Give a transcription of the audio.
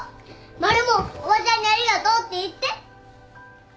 マルモおばちゃんにありがとうって言って。